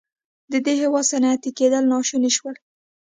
د دې هېواد صنعتي کېدل ناشون شول.